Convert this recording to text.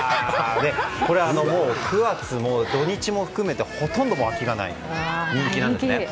９月、土日も含めてほとんど空きがない人気だそうです。